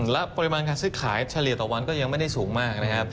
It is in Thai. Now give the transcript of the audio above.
และปริมาณการซื้อขายเฉลี่ยต่อวันก็ยังไม่ได้สูงมากนะครับ